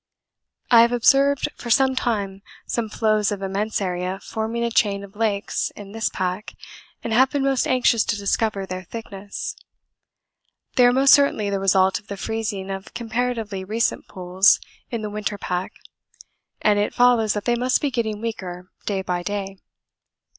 I have observed for some time some floes of immense area forming a chain of lakes in this pack, and have been most anxious to discover their thickness. They are most certainly the result of the freezing of comparatively recent pools in the winter pack, and it follows that they must be getting weaker day by day.